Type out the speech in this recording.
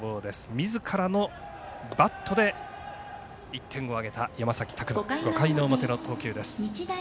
みずからのバットで１点を挙げた山崎琢磨５回の表の投球です。